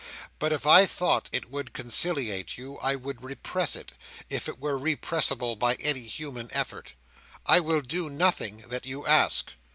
"But if I thought it would conciliate you, I would repress it, if it were repressible by any human effort. I will do nothing that you ask."